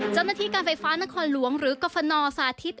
เจ้าหน้าที่การไฟฟ้านครหลวงหรือกรฟนสาธิต